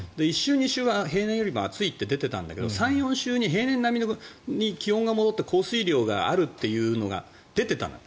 １週、２週は平年より暑いって出てたんだけど３、４週で平年並みに戻って降水量があるというのが出てたの。